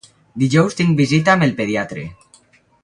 Dijous tinc visita amb el pediatre.